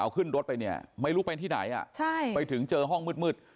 ขึ้นรถไปเนี่ยไม่รู้ไปที่ไหนไปถึงเจอห้องมืด